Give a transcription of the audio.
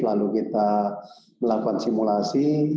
lalu kita melakukan simulasi